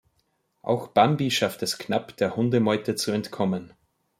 Auch Bambi schafft es knapp, der Hundemeute zu entkommen.